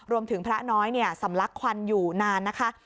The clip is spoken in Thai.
รวมถึงพระน้อยเนี่ยสำลักควันอยู่นานนะคะ